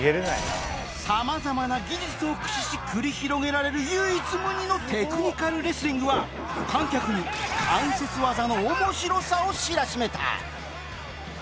さまざまな技術を駆使し繰り広げられる唯一無二のテクニカルレスリングは観客に関節技の面白さを知らしめた